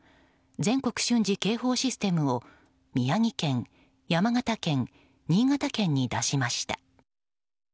・全国瞬時警報システムを宮城県、山形県、新潟県に出しました。